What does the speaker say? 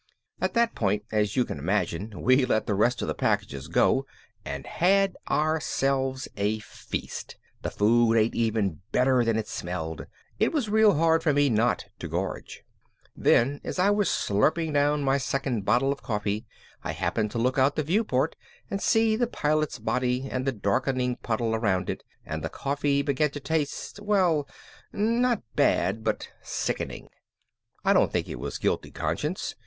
At that point as you can imagine we let the rest of the packages go and had ourselves a feast. The food ate even better than it smelled. It was real hard for me not to gorge. Then as I was slurping down my second bottle of coffee I happened to look out the viewport and see the Pilot's body and the darkening puddle around it and the coffee began to taste, well, not bad, but sickening. I don't think it was guilty conscience.